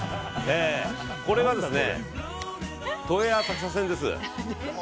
これは都営浅草線です。